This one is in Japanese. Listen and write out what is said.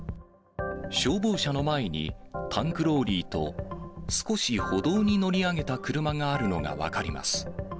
消防車の前にタンクローリーと少し歩道に乗り上げた車があるのが分かります。